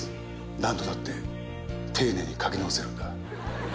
何度だって丁寧に書き直せるんだ。